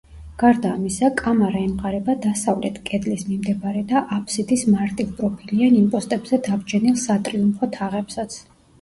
გარდა ამისა, კამარა ემყარება დასავლეთ კედლის მიმდებარე და აფსიდის მარტივპროფილიან იმპოსტებზე დაბჯენილ სატრიუმფო თაღებსაც.